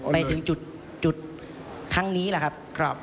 ไปถึงจุดทั้งนี้แหละครับ